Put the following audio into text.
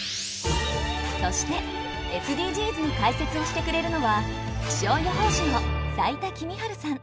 そしてＳＤＧｓに解説をしてくれるのは気象予報士の斉田季実治さん。